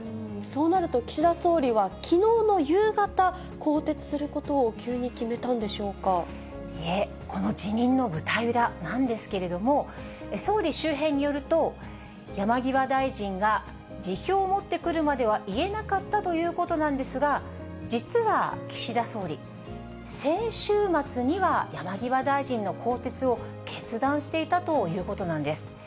そうなると岸田総理は、きのうの夕方、更迭することを急いえ、この辞任の舞台裏なんですけれども、総理周辺によると、山際大臣が辞表を持ってくるまでは言えなかったということなんですが、実は岸田総理、先週末には、山際大臣の更迭を決断していたということなんです。